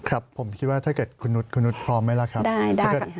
ครับผมคิดว่าถ้าเกิดคุณนุฏคุณนุฏพร้อมไหมล่ะครับได้ได้ครับ